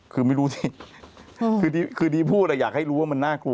คือไม่รู้สิคือที่พูดอยากให้รู้ว่ามันน่ากลัว